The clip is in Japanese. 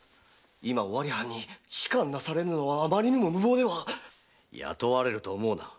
今尾張藩に仕官なされるのはあまりにも無謀では⁉雇われると思うな。